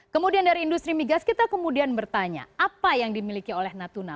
kemudian dari industri migas kita kemudian bertanya apa yang dimiliki oleh natuna